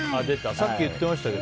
さっき言ってましたね。